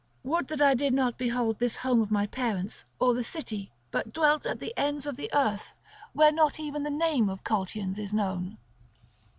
Would that I did not behold this home of my parents, or the city, but dwelt at the ends of the earth, where not even the name of Colchians is known!"